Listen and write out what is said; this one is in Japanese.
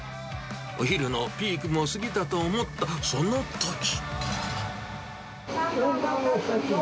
お昼のピークも過ぎたと思ったそのとき。